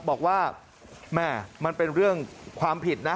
บอกว่าแม่มันเป็นเรื่องความผิดนะ